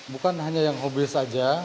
bukan hanya yang hobi saja